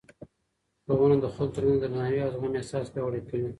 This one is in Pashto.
ښوونه د خلکو ترمنځ د درناوي او زغم احساس پیاوړی کوي.